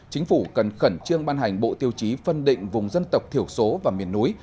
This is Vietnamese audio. chính phủ cần khẩn trương ban hành bộ tiêu chí phân định vùng dân tộc thiểu số và miền núi